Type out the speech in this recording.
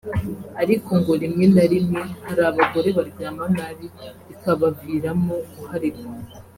ariko ngo rimwe na rimwe hari abagore baryama nabi bikabaviramo guharikwa